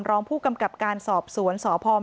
ร้องพวกกำกัดสอบสวนสพแม่สวน